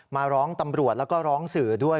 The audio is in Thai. มาร้องตำรวจแล้วก็ร้องสื่อด้วย